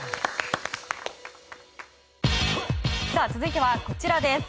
続いては、こちらです。